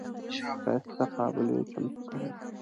ښایسته قابلي یې چمتو کړې وه.